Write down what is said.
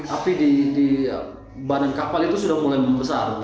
api di badan kapal itu sudah mulai membesar